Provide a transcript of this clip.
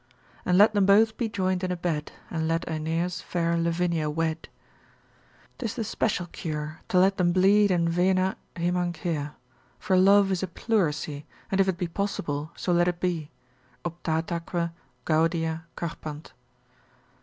And let them both be joined in a bed, And let Aeneas fair Lavinia wed; 'Tis the special cure, to let them bleed in vena Hymencaea, for love is a pleurisy, and if it be possible, so let it be,—optataque gaudia carpant.